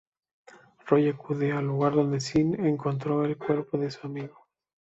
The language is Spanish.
Roy acude al lugar donde Sin encontró el cuerpo de su amigo.